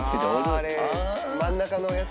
あれ真ん中のやつか。